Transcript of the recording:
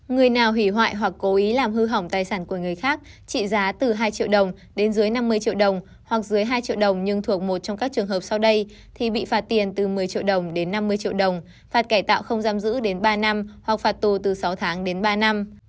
người nào hủy hoại hoặc cố ý làm hư hỏng tài sản của người khác trị giá từ hai triệu đồng đến dưới năm mươi triệu đồng hoặc dưới hai triệu đồng nhưng thuộc một trong các trường hợp sau đây thì bị phạt tiền từ một mươi triệu đồng đến năm mươi triệu đồng phạt cải tạo không giam giữ đến ba năm hoặc phạt tù từ sáu tháng đến ba năm